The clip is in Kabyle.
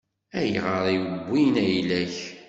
Ayɣer i wwin ayla-k?